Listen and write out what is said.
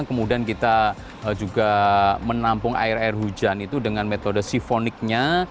kemudian kita juga menampung air air hujan itu dengan metode sifoniknya